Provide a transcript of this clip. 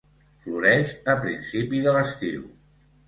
Floreix a principi de l'estiu.